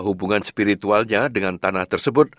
hubungan spiritualnya dengan tanah tersebut